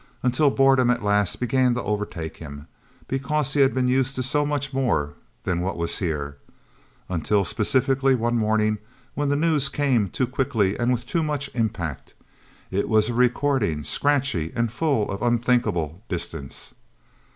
Until boredom at last began to overtake him because he had been used to so much more than what was here. Until specifically one morning, when the news came too quickly, and with too much impact. It was a recording, scratchy, and full of unthinkable distance.